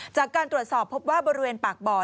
จากการตรวจสอบพบว่าบริเวณปากบ่อ